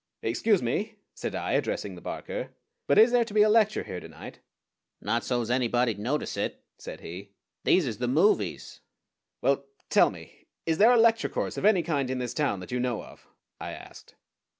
"Excuse me," said I, addressing the barker, "but is there to be a lecture here to night?" "Not so's anybody'd notice it," said he. "These is the movies." "Well tell me is there a lecture course of any kind in this town that you know of?" I asked.